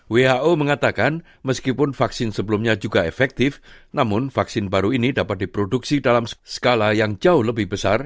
who mengatakan meskipun vaksin sebelumnya juga efektif namun vaksin baru ini dapat diproduksi dalam skala yang jauh lebih besar